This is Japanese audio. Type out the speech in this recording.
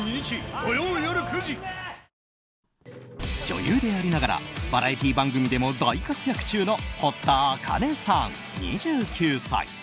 女優でありながらバラエティー番組でも大活躍中の堀田茜さん、２９歳。